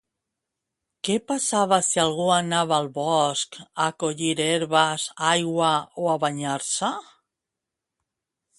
Què passava si algú anava al bosc a collir herbes, aigua o a banyar-se?